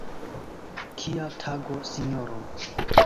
Kia tago, sinjoro!